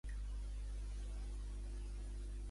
Fou el principal escriptor en siríac.